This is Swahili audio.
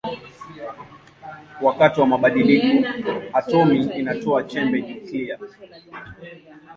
Wakati wa badiliko atomi inatoa chembe nyuklia.